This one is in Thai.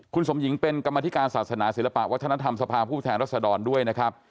คุณสมหญิงเป็นกรรมธิการศาสนาศิลปะวัฒนธรรมสภาผู้แทนรัศดรด้วยนะครับ